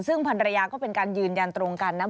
ซึ่งพันรยาก็เป็นการยืนยันตรงกันนะ